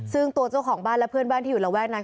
ซึ่งตัวเจ้าของบ้านและเพื่อนบ้านที่อยู่ระแวกนั้น